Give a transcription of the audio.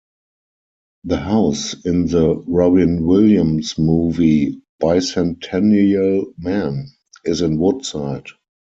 The house in the Robin Williams movie "Bicentennial Man" is in Woodside.